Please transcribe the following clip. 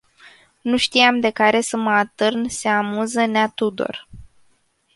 Nu știam de care să mă atârn se amuză nea Tudor.